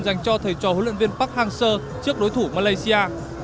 dành cho thầy trò huấn luyện viên park hang seo trước đối thủ malaysia